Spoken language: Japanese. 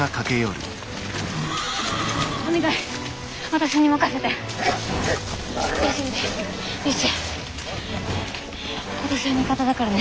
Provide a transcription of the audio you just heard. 私は味方だからね。